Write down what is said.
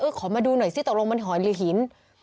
ขอมาดูหน่อยซิตกลงมันหอยหรือหิน